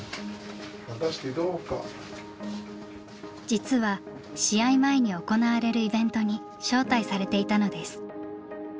実は試合前に行われるイベントに招待されていたのです。